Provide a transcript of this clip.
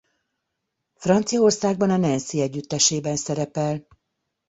Franciaországban a Nancy együttesében szerepel.